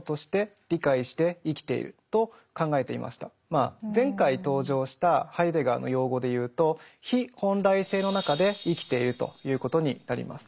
まあ前回登場したハイデガーの用語でいうと「非本来性」の中で生きているということになります。